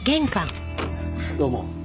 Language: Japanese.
どうも。